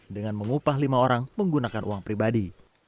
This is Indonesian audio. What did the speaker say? dengan mengupah lima orang menggunakan uang pribadi